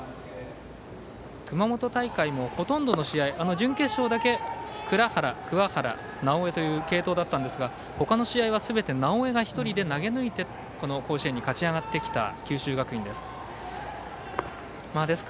熊本大会もほとんどの試合準決勝だけ藏原、桑原、直江という継投だったんですが他の試合は直江がすべて１人で投げ抜いて甲子園勝ち上がってきた九州学院です。